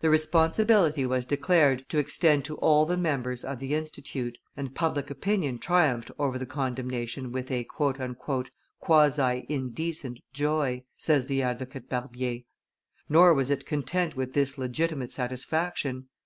The responsibility was declared to extend to all the members of the Institute, and public opinion triumphed over the condemnation with a " quasi indecent " joy, says the advocate Barbier. Nor was it content with this legitimate satisfaction.